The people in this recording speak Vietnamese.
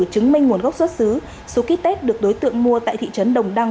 chứng minh nguồn gốc xuất xứ số ký test được đối tượng mua tại thị trấn đồng đăng